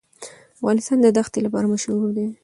افغانستان د ښتې لپاره مشهور دی.